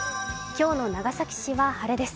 今日の長崎市は晴れです。